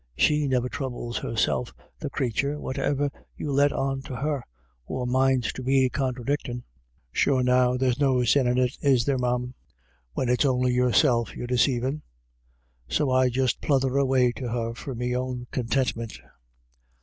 She niver throubles herself, the crathur, whativer you let on to her, or minds to be conthradictin'. Sure now, there's no sin in it, is there, ma'am ? when it's on'y yourself you're deceivin'. So I just pluther away to her for me own contintmint."